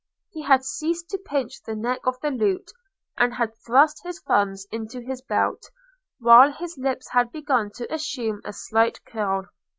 He had ceased to pinch the neck of the lute, and had thrust his thumbs into his belt, while his lips had begun to assume a slight curl.